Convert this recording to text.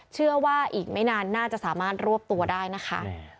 เชื่อว่าอีกไม่นานน่าจะสามารถรวบตัวได้นะคะ